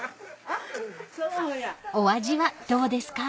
［お味はどうですか？］